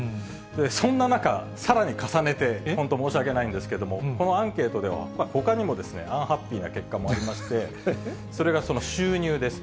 そんな中、さらに重ねて、本当、申し訳ないんですけれども、このアンケートでは、ほかにもアンハッピーな結果もありまして、それが収入です。